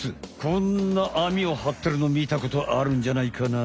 こんな網をはってるのみたことあるんじゃないかな？